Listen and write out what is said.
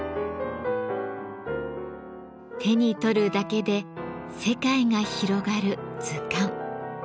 手に取るだけで世界が広がる図鑑。